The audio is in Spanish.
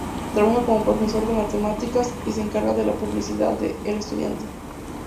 Trabaja como profesor de matemáticas y se encarga de la publicación de "El Estudiante".